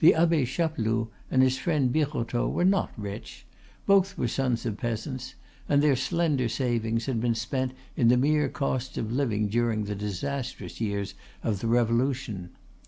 The Abbe Chapeloud and his friend Birotteau were not rich. Both were sons of peasants; and their slender savings had been spent in the mere costs of living during the disastrous years of the Revolution.